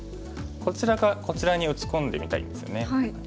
こちらかこちらに打ち込んでみたいんですね。